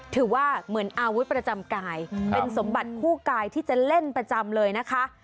ถือว่าเหมือนอาวุธประจำกายเป็นสมบัติคู่กายที่จะเล่นประจำเลยนะคะ